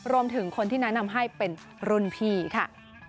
รวมถึงคนที่แนะนำให้เป็นรุ่นพี่ค่ะ